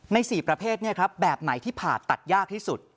๔ประเภทแบบไหนที่ผ่าตัดยากที่สุด